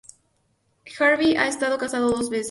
Järvi ha estado casado dos veces.